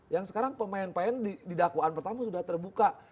yang sekarang pemain pemain di dakwaan pertama sudah terbuka